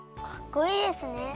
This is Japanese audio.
かっこいいですね。